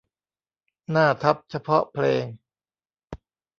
หน้าทับเฉพาะเพลง